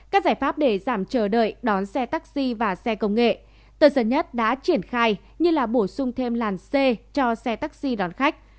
các giải pháp để giảm chờ đợi đón xe taxi và xe công nghệ tân sân nhất đã triển khai như là bổ sung thêm làn c cho xe taxi đón khách